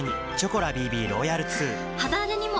肌荒れにも！